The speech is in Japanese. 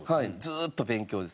ずーっと勉強です。